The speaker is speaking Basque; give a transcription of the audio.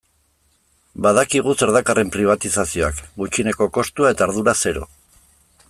Badakigu zer dakarren pribatizazioak, gutxieneko kostua eta ardura zero.